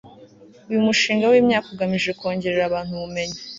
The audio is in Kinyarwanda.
uyu mushinga w imyaka ugamije kongerera abantu ubumenyi